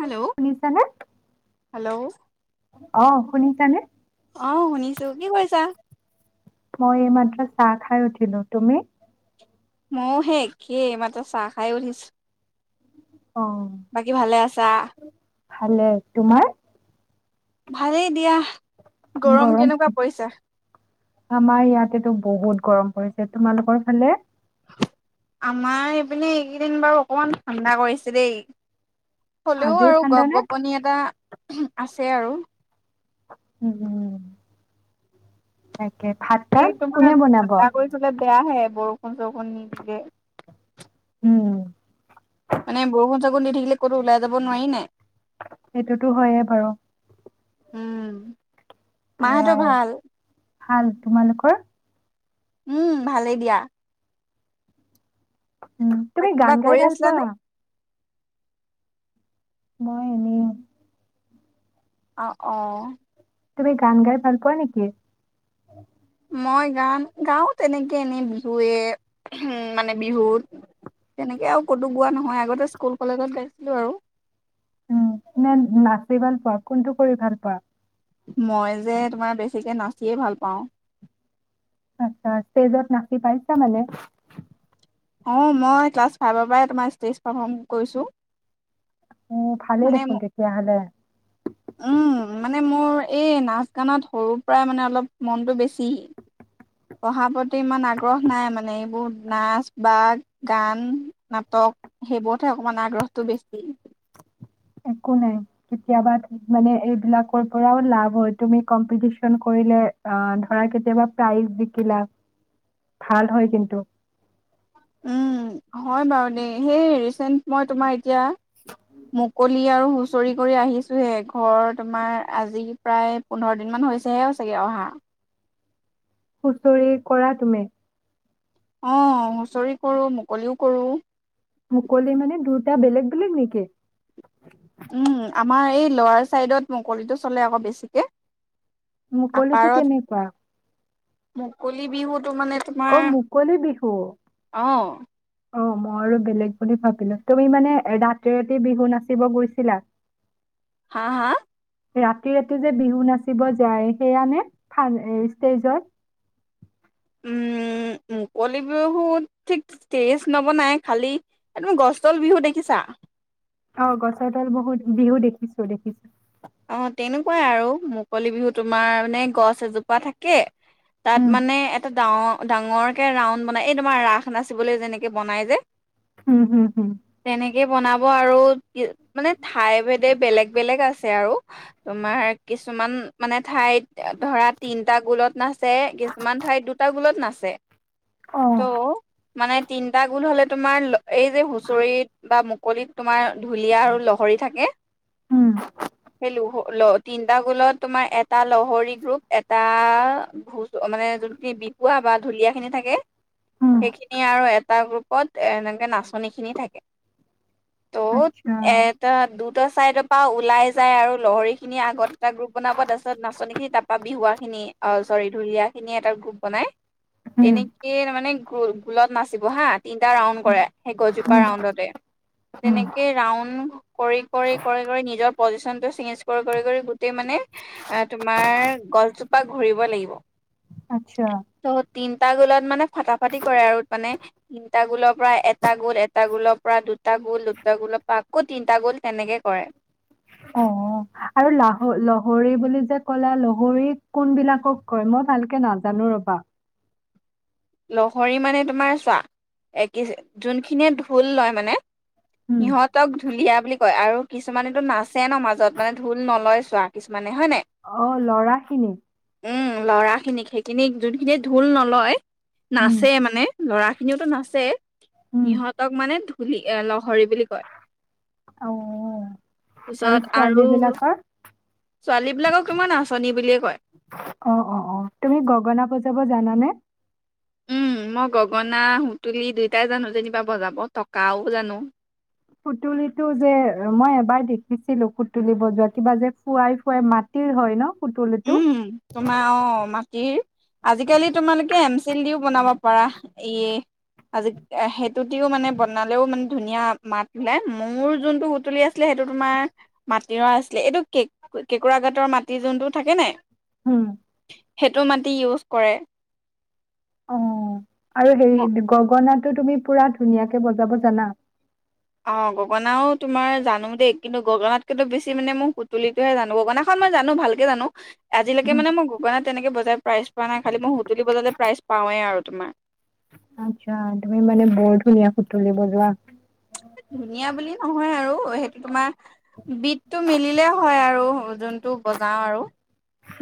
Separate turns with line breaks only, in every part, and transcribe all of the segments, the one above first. Hello.
শুনিছানে
hello.
অ শুনিছানে
অ শুনিছো কি কৰিছা?
মই এই মাদ্ৰাছ চাহ খাই উঠিলো তুমি
ময় সে কি মাত্ৰ চাহ খাই উঠিছো
অ'
বাকী ভালে আছা
ভালে তোমাৰ
ভালেই দিয়া গৰম কেনেকুৱা পৰিছা
আমাৰ ইয়াতেতটো বহুত গৰম পৰিছে তোমালোকৰ ফালে
আমাৰ ইপিনে এইকেইদিন বাৰু অকমান ঠাণ্ডা কৰিছে দেই হ'লেও
আজিও
আৰু
ঠাণ্ডা
গপ
নে?
গপনি এটা আছে আৰু
উম উম এক ভাত তাত কোনে বনাব
বেয়া হে বৰষুণ চৰষুণ নিদিলে
উম
মানে বৰষুণ চাগুণ [unintelligible] দি থাকিলে ক'তো ওলাই যাব নোৱাৰি নাই
সেইটোতো হয়ে বাৰু
উম মাহঁতো
সেয়াই
ভাল
ভাল তোমালোকৰ
উম ভালেই দিয়া
উম তুমি
কিবা
গান গাই
কৰি
ভাল
আছিলা নে?
পোৱা মই এনেই
আহ অ
তুমি গান গাই ভাল পোৱা নেকি
মই গান গাওঁ তেনেকে এনেই বিহুৱে মানে বিহুত তেনেকে আৰু ক'তো গোৱা নহয় আগতে স্কুল কলেজত গাইছিলোঁ আৰু
উম নে নাচি ভাল পোৱা কোনটো কৰি ভাল পোৱা
মই যে তোমাৰ বেছিকে নাচিয়েই ভাল পাওঁ
আচ্ছা তেজত নাচি পাইছা মলে [unintelligible]
অ মই ক্লাছ ফাইভৰ পৰাই তমাৰ ষ্টেজ পাৰ কৰিছো
অ ভালেই
মানে
দেখোন তেতিয়াহলে
উম মানে মোৰ এই নাচ গানত সৰুৰ পৰাই মানে অলপ মনটো বেছি পঢ়াৰ প্ৰতি ইমান আগ্ৰহ নাই মানে এইবোৰত নাচ বাগ গান নাটক সেইবোৰতহে অকণমান আগ্ৰহটো বেছি
একো নাই কেতিয়াবা মানে এইবিলাকৰ পৰাও লাভ হয় তুমি কম্পিটিচন কৰিলে ধৰা কেতিয়াবা প্ৰাইজ জিকিলা ভাল হয় কিন্তু
উম হয় বাৰু দেই হেই ৰিচেণ্ট মই তোমাৰ এতিয়া মুকলি আৰু হুঁচৰি কৰি আহিছোঁহে ঘৰ তোমাৰ আজি প্ৰায় পোন্ধৰ দিনমান হৈছেহে চাগে অহা
হুঁচৰি কৰা তুমি
অ হুঁচৰি কৰো মুকলিও কৰো
মুকলি মানে দুূটা বেলেগ বলেগ নেকি?
উম আমাৰ এই লৰাৰ চাইডত মুকলিটো চলে আকৌ বেছিকে
মুকলিতো কেনেকুৱা
কলি বিহুত টো মানে তোমাৰ
অ' মুকলি বিহু।
অ
অ মই আৰু বেলেগ বুলি ভাবিলো তুমি মানে ৰাতি ৰাতি বিহু নাচিব গৈছিলা?
হা হা
ৰাতি ৰাতি যে বিহু নাচিব যায় সেইয়া নে ষ্টেজত
উম মুকলি বিহুত ঠিক ষ্টেজ নবনাই খালী অ তুমি গছতল বিহু দেখিছা?
অ গছৰ তল বহুত বিহু দেখিছো দেখিছো
অ তেনেকুৱাই আৰু মুকলি বিহু তোমাৰ মানে গছ এজোপা থাকে
উম।
তাত মানে এটা ডাঙৰ ডাঙৰ কে ৰাউড মানে এই তোমাৰ ৰাস নাচিবলে যেনেকে বনাই যে
হো হো হো
এই বনাব আৰু মানে ঠাই ভেদে বেলেগ বেলেগ আছে হে আৰু তোমাৰ কিছুমান মানে ঠাইত ধৰা তিনটা গোলত নাচে কিছুমান ঠাইত দুটা গোলত নাচে ত অ মানে তিনটা গোল হলে তোমাৰ ল এই যে হুঁচৰিত বা মুক কলিত তোমাৰ ঢুলীয়া আৰু লহৰি থাকে
উম
সেই লুহ তিনটা গোলত তোমাৰ এটা লহৰি গ্ৰুপ এটা ঢু মানে যোনখিনি বিহুৱা বা ঢুলীয়া খিনি থাকে
হুম,
সেইখিনি আৰু এ এটা গ্ৰুপত এনেকে নাচনি খিনি থাকে তত'
আচ্ছা।
এটা দুট ত চাই দপা ওলাই যায় আৰু লহৰিখিনি আগত এটা গ্ৰুপ বনাব তাৰ পিছত নাচনিখিনি তাৰপা বিহুৱা খিনি অ চৰি ঢুলীয়াখিনিয়ে এটা গ্ৰুপ বনাই
হুম,
তেনেকে মানে গোল গোলত নাচিব হা তিনিটা ৰাউণ্ড কৰে সেই
হুম,
গছজোপাৰ ৰাউণ্ডতে
হুম,
তেনেকে ৰাউণ্ড কৰি কৰি কৰি কৰি নিজৰ পজিচন টো চেইঞ্জ কৰি কৰি গোটেই মানে তোমাৰ গছজোপ বা ঘূৰিব লাগিব
আচ্ছা
তিনিটা গ'লত মানে ফাটা ফাটি কৰে আৰু মানে তিনটা গোলক প্ৰায় এটা গোল এটা গোলৰ পৰা দুটা টা গোল দুটা গোলপা আক আকৌ তিনিটা গ'ল তেনেকে কৰে
অ আৰু লাহ লহৰি বুলি যে ক'লো লহৰি কোনবিলাকক কয় মই ভালকে নাজানো ৰবা
লহৰি মানে তোমাৰ চোৱা এক যোনখিনিয়ে ঢোল লয় মানে
হুম,
সিহঁতক ঢুলীয়া বুলি কয় আৰু কিছুমানেতো নাচে ন মাজত মানে ঢোল নলয় চোৱা কিছু
অ লৰা খিনি
উম ল'ৰা খিনিক সেইখিনিক যোনখিনি ঢোল নলয়
হুম,
নাচে মানে ল'ৰাখিনিওতো নাচেই সিহঁতক মানে [unintelligible] বুলি ল লহৰি
অঁ আৰু চোৱালী বিলাকৰ
ছোৱালী বিলাকক তোমাৰ নাচনী বুলিয়ে কয়
অঁ অঁ অঁ তুমি গগনা বজাব জানানে
মই গগনা সুতুলি দুয়টাই জানো যেনিবা বজাব টকাও জানো
সুতুলি টো যে মই এবাৰ দেখিছিলো সুতুলি বজোৱা কিবা যে ফুৱাই ফুৱাই মাটিৰ হয় ন সুতুলিটো?
উম তোমাৰ অঁ মাটিৰ আজিকালি তোমালোকে এমচিল দিওঁ বনাব পাৰা ই আজি সেইটো দিও মানে বনালেও মানে ধুনীয়া মাত ওলাই মোৰ যোনটো সুতুলি আছিলে সেইটো তোমাৰ মাটিৰ আছিলে এইটো কে কেঁকোৰা ঘাটৰ মাটি যোনটো থাকে নাই
হম
সেইটো মাটি ইউজ কৰে
অঁ আৰু
অ'
হেৰি গগনা টো তুমি পুৰা ধুনীয়াকৈ বজাব জানা
অ গগনাও তোমাৰ জানো দেই কিন্তু গগনাতকেতো বেছি মানে মই সুতুলুলিটোহে জানো গগনাখনন মই জানো ভালকে জানো আজিলৈকে মই মানে গগনা তেনেকেই বজাৰ প্ৰাইজ পোৱা নাই খালি মই সুতুলি বজালে প্ৰাইজ পাওঁৱেই আৰু তোমাৰ
আচ্ছা তুমি মানে বৰ ধুনীয়া সুতুলি বজোৱা
ধুনীয়া বুলি নহয় আৰু সেইটো তোমাৰ বি টো মিলিলে হয় আৰু যোনটো বজাওঁ আৰু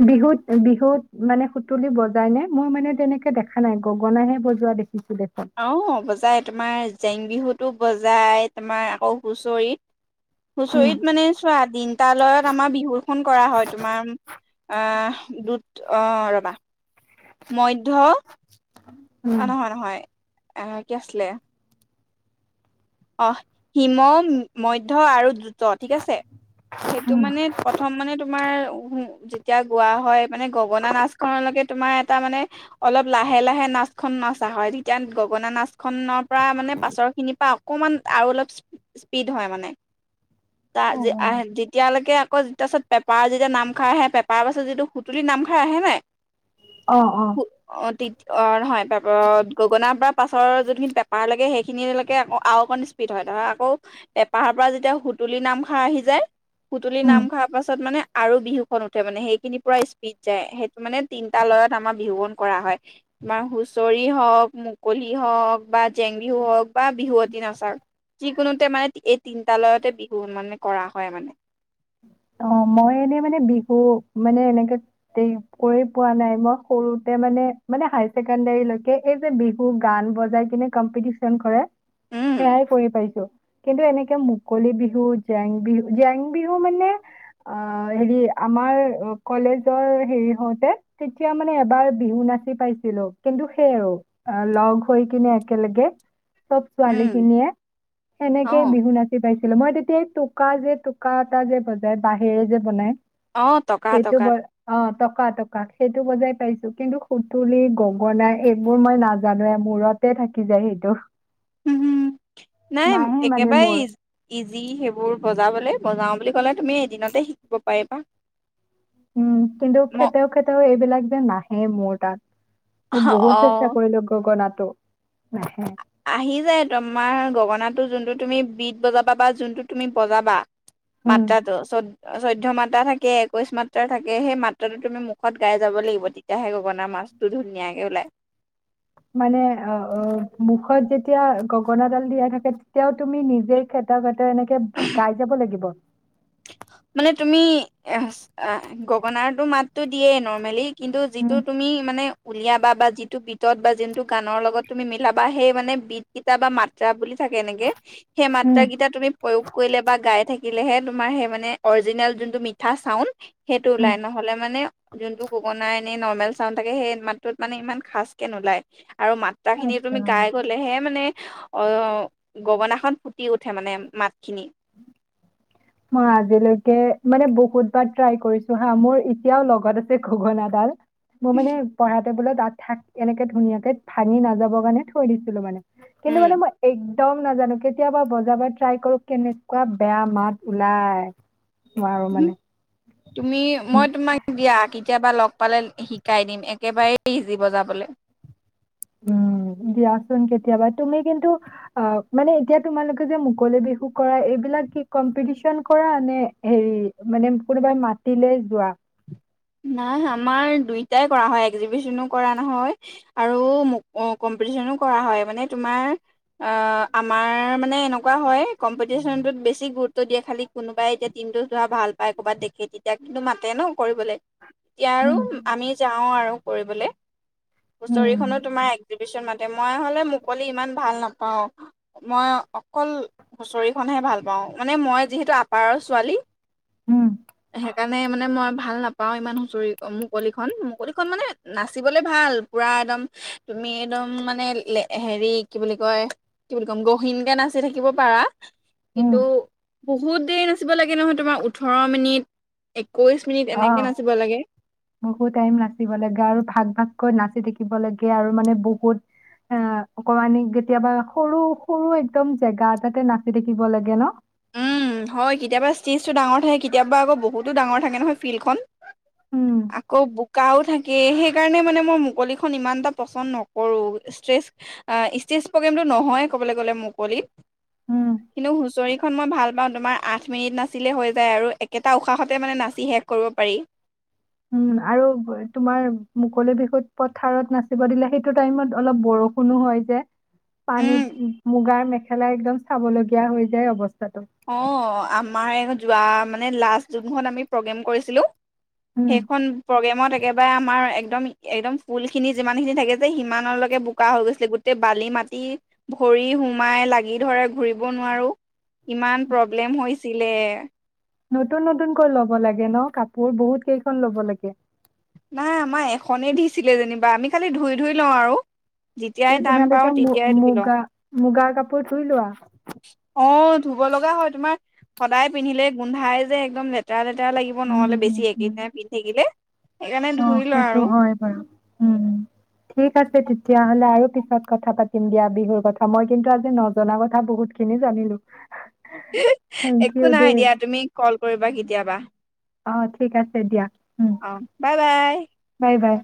বিহুত বিহুত মানে সুতুলি বজাই নে মই মানে তেনেকে দেখা নাই গগনাহে বজোৱা দেখি
আঁহ বজাই তোমাৰ জেং বিহুতো বজাই তোমাৰ আকৌ হুচৰিত
উম
হুঁচৰিত মানে চোৱা তিনিটালয়ত আমাৰ বিহুখন কৰা হয় তোমাৰ আঁহ দুটা আঁহ ৰবা মধ্য
উম
অঁ নহয় নহয় আঁহ কি আছিলে অঁ। হিম মধ্যে আৰু অঁ ঠিক আছে সেইটো মানে প্ৰথম মানে তোমাৰ উ যেতিয়া গোৱা হয় মানে গগনা নাচখনলৈকে তোমাৰ এটা মানে অলপ লাহে লাহে নাচখন নচা হয় তেতিয়া গগনা নাচ খনৰ পৰা মানে পাছৰ খিনি পা অকণমান আৰু অলপ স্পীড হয় মানে ত
উম
যেতিয়ালৈকে আকৌ পাছত পেপাৰ যেতিয়া নামখাৰ আহে পেপাৰৰ পাছত যিটো সুতুলি নামখাৰ আহে নাই
আঁহ অঁ
অঁ নহয় পেপ গগনাৰ পৰা পাছৰ যোনখিনি পেপাৰ লাগে সেইখিনিলৈকে আকৌ আৰু অকন স্পীড হয় ধৰা আকৌ পেপাঁৰ পৰা যেতিয়া সুতুলি নামখাৰ আহি যায় সুতুলি নাম খৰ পাছত মানে আৰু বিহুখন উঠে মানে সেইখিনি পূৰা স্পীড যায় সেইটো মানে তিনিটা লয়ত আমাৰ বিহু বন কৰা হয় তোমাৰ হুঁচৰি হওঁক মুকলি হওঁক বা জেং বিহু হওক বা বিহুত চা যিকোনোতে মানে এই তিনিটা লয়তে বিহু মানে কৰা হয় মানে
অ মই এনেই মানে বিহু মানে এনেকে কৰি পোৱা নাই মই সৰুতে মানে মানে হায় ছেকেণ্ডাৰীলৈকে এই যে বিহু গান বজাই কিনে কম্পিটিচন কৰে
উম
সেয়াই কৰি পাইছোঁ কিন্তু এনেকে মুকলি বিহু জেং বিহু জেং বিহু মানে অ হেৰি আমাৰ কলেজৰ হেৰি হওঁতে তেতিয়া মানে এবাৰ বিহু নাচি পাইছিলো কিন্তু সেই আৰু লগ হৈ কিনে একেলগে চব ছোৱালী
উম
খিনিয়ে
অ
সেনেকে বিহু নাচি পাইছে মই তেতিয়া এই টোকা যে টোকা টোকা এটা যে বজাই বাঁহেৰে যে বনাই
অ টকা
সেইটো
টকা
ব অ টকা টকা সেই সেইটো বজাই পাইছোঁ কিন্তু সুতুলি গগনা এইবোৰ মই নাজানোৱে মূৰতে থাকি যায় সেইটো
উম হোম নাই
নাহে মানে
একেবাৰে
মোৰ
ইজি সেইবোৰ বজাবলে বজাওঁ বুলি ক'লে তুমি এদিনতে শিকিব পাৰিবা
উম কিন্তু
ম
খেতেও খেতেও এইবিলাক যে নাহে মোৰ তাত মই বহুত চেষ্টা
অ'
কৰিলোঁ গগনাত টো নাহে
আ আহি যায় তোমাৰ গগনাটো যোনটো তুমি বিট বজাবা বা যোনটো তুমি বজাবা
উম,
মাত্ৰাটো চৌ চৌধ্য মাত্ৰা থাকে একৈশ মাত্ৰা থাকে সেই মাত্ৰাটো তুমি মুখত গাই যাব লাগিব তেতিয়াহে গগনা মাতটো ধুনীয়াকে ওলায়
মানে অ অ মুখত যেতিয়া গগনাডাল দিয়া থাকে তেতিয়াও তুমি নিজে খেতা খেতাও এনেকে গাই যাব লাগিব
মানে তুমি এ এ গগনাৰ তো মাতটো দিয়ে নৰ্মেলি কিন্তু যিটো
উম,
তুমি মানে উলিয়াবা বা যিটো বিটত বা যোনটো গানৰ লগত তুমি মিলাবা সেই মানে বিট কেইতা বা মাত্ৰা বুলি থাকে এনেকে সেই
উম,
মাত্ৰা কেইটা তুমি প্ৰয়োগ কৰিলে বা গাই থাকি থাকিলেহে তোমাৰ সেই মানে নে অৰজিনেল যোনটো মিঠা চাউণ্ড সেইটো
উম,
ওলাই নহ'লে মানে যোনটো গগনাই মানে নৰ্মেল চাউণ্ড থাকে সেই মাতটোত মানে ইমান খাচ কে নুলায়। আৰু মাত্ৰা খিনি তুমি
আচ্ছা।
গাই গ'লেহে মানে অ' গগনা খন ফুটি উঠে মানে মাত খিনি
মই আজিলৈকে মানে বহুত বাৰ ট্ৰাই কৰিছোঁ হা মোৰ এতিয়াও লগত আছে গগনাডাল মোৰ মানে পঢ়া টেবুলত আ থাক এনেকে ধুনীয়াকে ভাঙি নাযাবৰ কাৰণে থৈ দিছিলোঁ মানে কিন্তু মানে মই এই একদম নাজানো কেতিয়াবা বজাব ট্ৰাই কৰো কেনেকুৱা বেয়া মাত ওলাই নোৱাৰো
উ
মানে।
তুমি মই তোমাক দিয়া আঁকি কেতিয়াবা লগ পালে শিকাই দিম একেবাৰেই ইজি বজাবলে।
উ' দিয়াচোন কেতিয়াবা তুমি কিন্তু অ' মানে এতিয়া তোমালোকে যে মুকলি বিহু কৰা এইবিলাক কি কম্পিটিশন কৰা নে হেৰি মানে কোনোবাই মাতিলে যোৱা
নাই আমাৰ দুইটাই কৰা হয় এক্জিবিশনো কৰা নহয় আৰু কম্পিটিশনো কৰা হয় মানে তোমাৰ অ' আমাৰ মানে এনেকুৱা োৱা হয় [unintelligible] কম্পিটিচনটোত বেছি গুৰুত দিয়া [unintelligible] খালি কোনোবাই এতিয়া টিমটো ধৰা ভাল পাই কৰ'ৰবাত দেখে তেতিয়া কিন্তু মাতে ন কৰিবলে এতিয়া আৰু
উম,
আমি যাওঁ আৰু কৰিবলে হুচৰি খনো
উম,
তোমাৰ এক্জিবিশন মাতে, মই হ'লে মুকলি ইমান ভাল নাপাওঁ, মই অকল হুঁচৰিখনহে ভাল পাওঁ মানে মই যিহেতু আপাৰৰ ছোৱালী
উম,
সেইকাৰণে মানে মই ভাল নাপ পাও ইমান হুঁচৰি মুকলিখন, মুকলিখন মানে নাচিবলে ভাল পুৰা একদম তুমি একদম মানে হেৰি কি বুলি কয় কি বুলি কম গহীনকে নাচি থাকিব পাৰা।
উম,
কিন্তু বহুত দেৰি নাচিব লাগে নহয় তোমাৰ ওঠৰ মিনিট এ কৈছোঁ
অ।
এনেকে না
বহুত টাইম নাচিব লাগে আৰু ভাগ ভাগকৈ না নাচি থাকিব লাগে আৰু মানে বহুত অ অকমানমানি কেতিয়াবা সৰু সৰু এক্দম জেগা এটাতে নাচি থাকিব লাগে ন'
উম হয় কেতিয়াবা ষ্টেজটো ডাঙৰ থাকে কেতিয়াবা আকৌ বহুতো ডাঙৰ থাকে নহয় ফিল্ডখন।
উম
আকৌ বোকা উ থাকে সে সেইকাৰণে মানে মই মুকলিখন ইমান এটা পচন্দ নকৰো ষ্টেজ ষ্টেজ প্ৰগ্ৰেমটো নহয় ক'বলৈ গ'লে মুকলিত।
উম
কিন্তু চয় খন মই ভাল পাওঁ তোমাৰ আঠ মিনিট নাচিলে হৈ যায় আৰু একেটা উশাহতে মানে নাচি শেষ কৰিব পাৰি।
উম আৰু তোমাৰ মুকলি বিহুত পথাৰত নাচিব দিলে সেইটো টাইমত অলপ বৰষুণো হয় যে
উম
পানীত মুগাৰ মেখেলা একদম চাব লগগীয়া হৈ যায় অৱস্থা।
অ আমাৰ এওঁ যোৱা মানে লাষ্ট জুনত আমি প্ৰগ্ৰেম কৰিছিলো।
উম
সেইখন প্ৰগ্ৰেমত একেবাৰে আমাৰ একদম একদম ফুল খিনি যিমান খিনি থাকে যে সিমানলৈকে বোকা হৈ গৈছিলে গোটেই বালি মাটি ভৰি সোমাই লাগি ধৰে ঘুৰিব নোৱাৰো ইমান প্ৰব্লেম হৈ চিলে।
নতুন-নতুনকৈ ল'ব লাগে ন কাপোৰ বহুত কেইখন ল'ব লাগে।
নাই, আমাৰ এখনেই দিছিলে যেনিবা আমি খালি ধুই ধুই লওঁ আৰু। যেতিয়াই
এতিয়া
টাইম পাওঁ
তোমালোকে
তেতিয়াই ধুই লওঁ
মুগা-মুগাৰ কাপোৰ ধুই লোৱা?
অ ধুব লগা হয়, তোমাৰ সদায় পিন্ধিলে গোন্ধাই যে একদম লেতেৰা-লেতে তেৰা লাগিব
উম
নহ'লে
উম
বেছি
উম
একেদিনাই পিন্ধি থাকিলে। সেইকাৰণে
অ'
ধুই লওঁ
সেইটো
আৰু
হয় বাৰু! উম ঠিক আছে তে তেতিয়াহ'লে আৰু পিছত কথা পাতিম দিয়া। বিহুৰ কথা মই কিন্তু আজি নজনা কথা বহুতখিনি জানিলো। থেংক
একো
ইউ দেই
নহয় দিয়া, তুমি কল কৰিবা কেতিয়াবা।
অ' ঠিক আছে দিয়া। উম
অ' বাই বাই!
Bye bye!